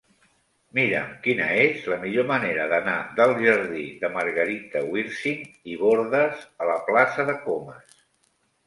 Mira'm quina és la millor manera d'anar del jardí de Margarita Wirsing i Bordas a la plaça de Comas.